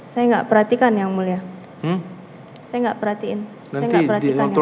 saya nggak perhatikan yang mulia saya nggak perhatiin saya nggak perhatikan yang mulia